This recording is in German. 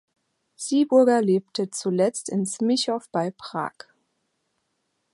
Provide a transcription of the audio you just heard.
Sieburger lebte zuletzt in Smichow bei Prag.